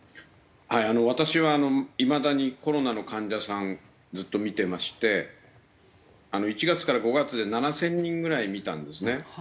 私はいまだにコロナの患者さんずっと診てまして１月から５月で７０００人ぐらい診たんですね。